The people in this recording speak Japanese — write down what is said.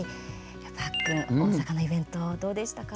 パックン、大阪のイベントどうでしたか？